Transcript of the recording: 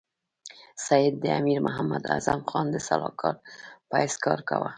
سید د امیر محمد اعظم خان د سلاکار په حیث کار کاوه.